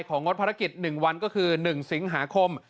งดภารกิจ๑วันก็คือ๑สิงหาคม